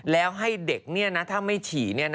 แล้วให้เด็กถ้าไม่ฉี่